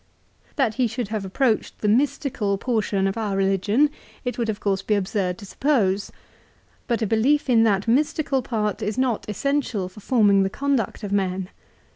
That he should have approached the mystical portion of our religion it would of course be absurd to suppose. But a belief in that mystical part is not essential for forming the conduct of men.